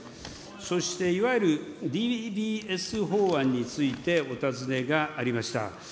そしていわゆるＤＢＳ法案についてお尋ねがありました。